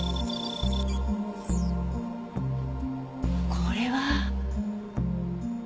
これは。